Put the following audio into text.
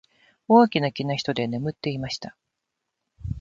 大きな木の下で眠っていました。